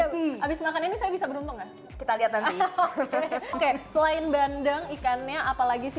habis makan ini saya bisa beruntung ya kita lihat oke selain bandeng ikannya apalagi sih